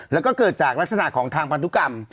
แล้วก็เกิดจากลักษณะของทางพันธุกรรม